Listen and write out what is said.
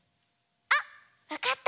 あっわかった！